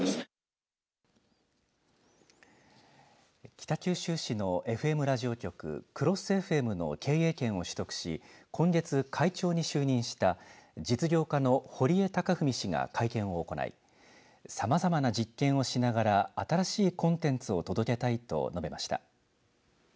北九州市のＦＭラジオ局ＣＲＯＳＳＦＭの経営権を取得し今月、会長に就任した実業家の堀江貴文氏が会見を行いさまざまな実験をしながら新しいコンテンツを届けたいと述べました。